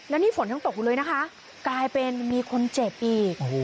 แล้วนี่ฝนยังตกอยู่เลยนะคะกลายเป็นมีคนเจ็บอีก